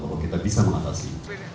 bahwa kita bisa mengatasi